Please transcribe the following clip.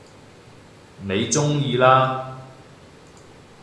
你鍾意啦